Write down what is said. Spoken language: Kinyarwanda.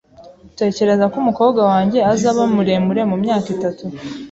Utekereza ko umukobwa wanjye azaba muremure mu myaka itatu?